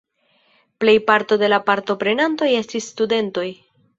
Plejparto de la partoprenantoj estis studentoj.